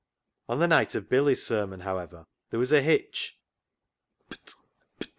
On the night of Billy's sermon, however, there was a hitch.